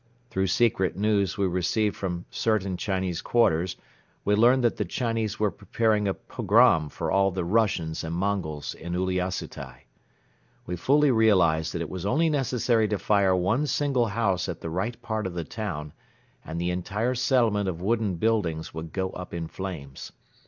Through secret news we received from certain Chinese quarters we learned that the Chinese were preparing a pogrom for all the Russians and Mongols in Uliassutai. We fully realized that it was only necessary to fire one single house at the right part of the town and the entire settlement of wooden buildings would go up in flames.